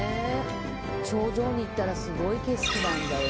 頂上に行ったらすごい景色なんだよ。